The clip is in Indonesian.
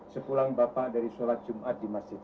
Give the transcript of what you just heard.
sepulang bapak dari sholat jumat di masjid